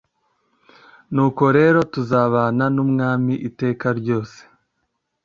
Nuko rero tuzabana n’Umwami iteka ryose.